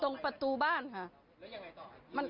ตรงประตูบ้านครับ